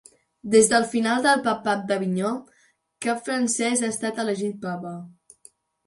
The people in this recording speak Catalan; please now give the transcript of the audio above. Des del final del Papat d'Avinyó, cap francès ha estat elegit papa.